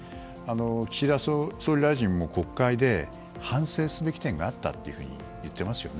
岸田総理大臣も国会で反省すべき点があったと言ってますよね。